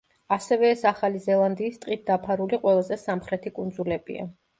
ასევე ეს ახალი ზელანდიის ტყით დაფარული ყველაზე სამხრეთი კუნძულებია.